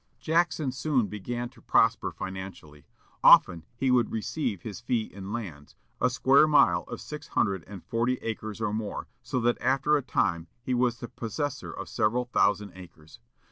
Jackson soon began to prosper financially. Often he would receive his fee in lands, a square mile of six hundred and forty acres or more, so that after a time he was the possessor of several thousand acres.